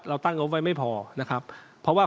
ตั้งงบไว้ไม่พอนะครับเพราะว่า